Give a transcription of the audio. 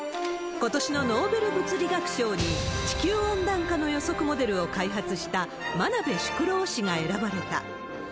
ことしのノーベル物理学賞に、地球温暖化の予測モデルを開発した、真鍋淑郎氏が選ばれた。